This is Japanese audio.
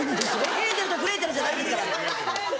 『ヘンゼルとグレーテル』じゃないですから。